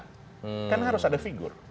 kan harus ada figur